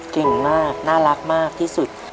เก่งมากน่ารักมากที่สุด